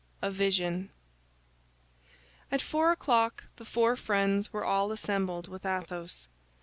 A VISION At four o'clock the four friends were all assembled with Athos.